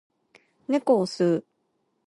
猫を吸う